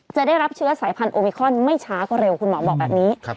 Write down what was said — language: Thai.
จะได้รับเชื้อสายพันธุมิคอนไม่ช้าก็เร็วคุณหมอบอกแบบนี้